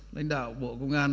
lãnh đạo bộ công an